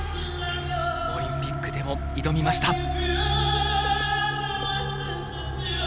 オリンピックでも挑みました。